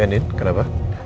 ya andin kenapa